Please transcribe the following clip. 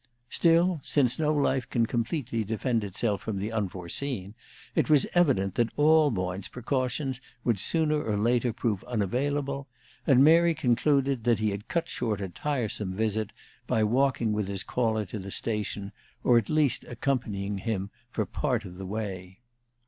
Still, since no life can completely defend itself from the unforeseen, it was evident that all Boyne's precautions would sooner or later prove unavailable, and Mary concluded that he had cut short a tiresome visit by walking with his caller to the station, or at least accompanying him for part of the way.